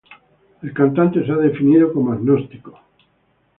El cantante se ha definido como agnóstico.